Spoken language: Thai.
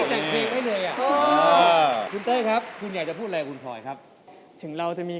ทุกอย่างสร้ำได้เอ้าโหโอ้ยโดนทั้งผู้แล้วแต่แล้วครับถึงเวลาแล้วนะครับ